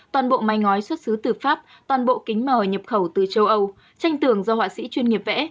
toàn bộ mái ngói xuất xứ từ pháp toàn bộ kính mò nhập khẩu từ châu âu tranh tường do họa sĩ chuyên nghiệp vẽ